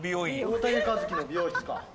大竹一樹の美容室か。